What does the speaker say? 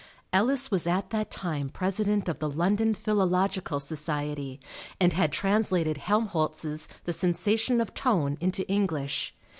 Ellis was at that time president of the London Philological Society, and had translated Helmholtz's The Sensation of Tone into English.